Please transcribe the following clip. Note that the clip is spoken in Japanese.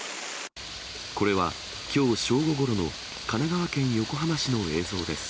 これはきょう正午ごろの神奈川県横浜市の映像です。